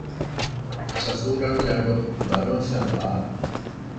ޞަފޫރާގެ އަޑު ބަރުވެފައި ބާރު